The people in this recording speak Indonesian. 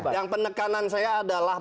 yang penekanan saya adalah